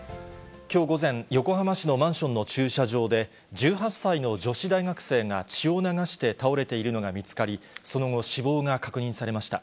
きょう午前、横浜市のマンションの駐車場で、１８歳の女子大学生が血を流して倒れているのが見つかり、その後、死亡が確認されました。